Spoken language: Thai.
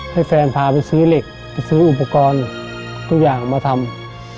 ให้แฟนพาไปซื้อเหล็กไปซื้ออุปกรณ์ทุกอย่างมาทำ